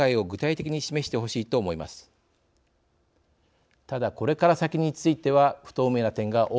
ただこれから先については不透明な点が多くあります。